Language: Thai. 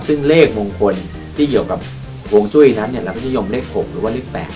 ซึ่งเลขมงคลที่เกี่ยวกับวงช่วยนั้นเนี้ยเราก็จะยอมเลขหกหรือว่าเลขแปด